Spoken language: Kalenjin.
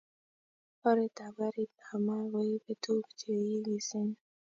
Oret ab garit ab mat koibe tuguk che nyigisen